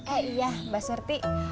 eh iya mbak surti